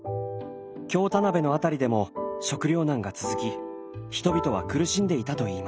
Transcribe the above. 京田辺の辺りでも食糧難が続き人々は苦しんでいたといいます。